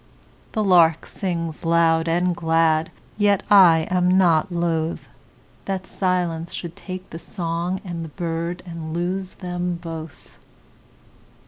The lark sings loud and glad, Yet I am not lothThat silence should take the song and the birdAnd lose them both.